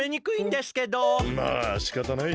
まあしかたない。